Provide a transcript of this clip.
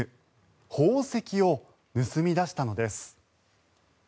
宝石を盗み出したのです。